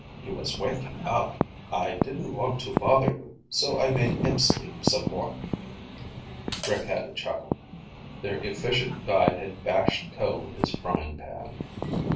"He was waking up. I didn't want to bother you, so I made him sleep some more." Rick had to chuckle. Their efficient guide had bashed Ko with his frying pan.